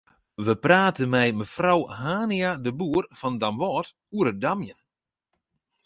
We prate mei mefrou Hania-de Boer fan Damwâld oer it damjen.